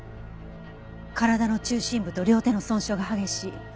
体の中心部と両手の損傷が激しい。